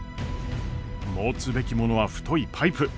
持つべきものは太いパイプ！